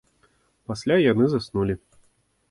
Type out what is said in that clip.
Пасля яны заснулі